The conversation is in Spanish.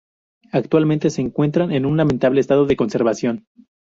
Actualmente se encuentran en un lamentable estado de conservación.